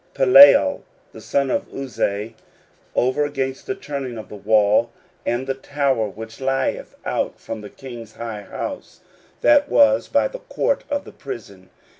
16:003:025 Palal the son of Uzai, over against the turning of the wall, and the tower which lieth out from the king's high house, that was by the court of the prison.